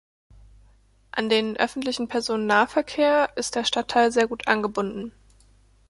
An den öffentlichen Personennahverkehr ist der Stadtteil sehr gut angebunden.